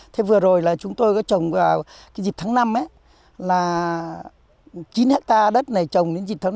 thế vừa rồi là chúng tôi có trồng vào cái dịp tháng năm ấy là chín hectare đất này trồng đến dịp tháng năm